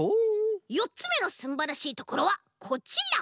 よっつめのすんばらしいところはこちら。